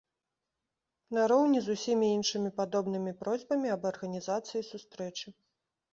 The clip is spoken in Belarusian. Нароўні з усімі іншымі падобнымі просьбамі аб арганізацыі сустрэчы.